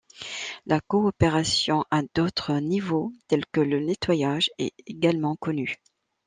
La coopération à d'autres niveaux, tels que le nettoyage, est également connue.